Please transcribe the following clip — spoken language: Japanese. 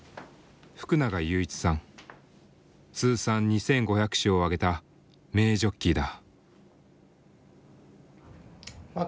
通算２，５００勝を挙げた名ジョッキーだ。